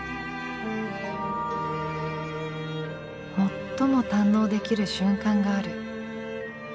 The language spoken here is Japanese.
最も堪能できる瞬間がある。